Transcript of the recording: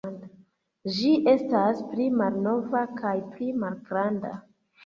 Ĝi estas pli malnova kaj pli malgranda.